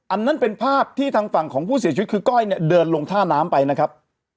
อันนั้นเป็นภาพที่ทางฝั่งของผู้เสียชีวิตคือก้อยเนี่ยเดินลงท่าน้ำไปนะครับ